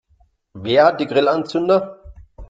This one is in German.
Wer hat die Grillanzünder?